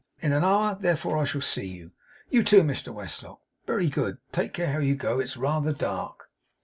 In an hour, therefore, I shall see you. You too, Mr Westlock? Very good. Take care how you go. It's rather dark.